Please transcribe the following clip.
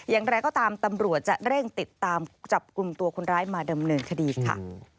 อย่างไรก็ตามตำรวจจะเร่งติดตามจับกลุ่มตัวคนร้ายมาดำเนินคดีค่ะ